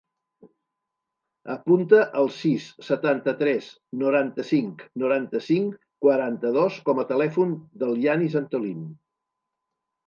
Apunta el sis, setanta-tres, noranta-cinc, noranta-cinc, quaranta-dos com a telèfon del Yanis Antolin.